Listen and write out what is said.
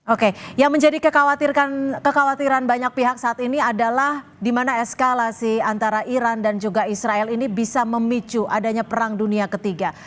oke yang menjadi kekhawatiran banyak pihak saat ini adalah di mana eskalasi antara iran dan juga israel ini bisa memicu adanya perang dunia ketiga